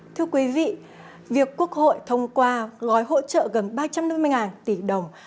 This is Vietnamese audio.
thưa quý vị việc quốc hội thông qua gói hỗ trợ gần ba trăm năm mươi tỷ đồng